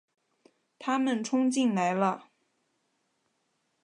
他们冲进来了